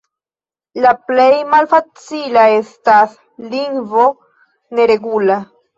La plej malfacila estas lingvo neregula.